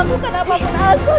aku mau melakukan apapun asal